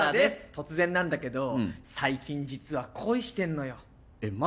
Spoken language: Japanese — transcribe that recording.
突然なんだけど最近実は恋してんのよ。